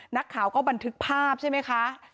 นักข่าวก็บันทึกภาพใช่ไหมคะ